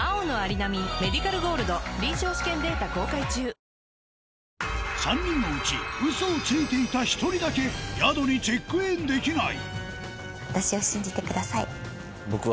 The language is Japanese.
「アサヒスーパードライ」３人のうちウソをついていた１人だけ宿にチェックインできない！